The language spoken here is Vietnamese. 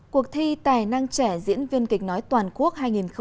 cuộc thi tài năng trẻ diễn viên kịch nói toàn quốc hai nghìn hai mươi